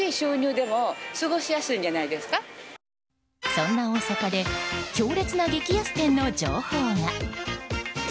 そんな大阪で強烈な激安店の情報が。